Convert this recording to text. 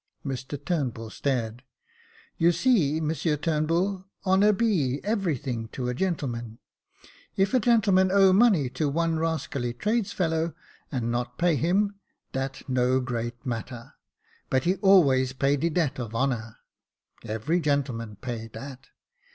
(Mr Turnbull stared.) "You see. Monsieur Turnbull, honour be every thing to a gentleman. If a gentleman owe money to one rascally trades fellow, and not pay him, dat no great matter ; but he always pay de debt of honour. Every gentleman pay dat.